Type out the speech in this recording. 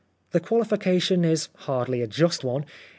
The qualification is hardly a just one.